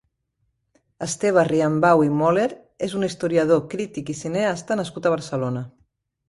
Esteve Riambau i Möller és un historiador, crític i cineasta nascut a Barcelona.